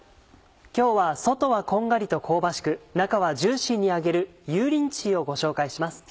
今日は外はこんがりと香ばしく中はジューシーに揚げる「油淋鶏」をご紹介します。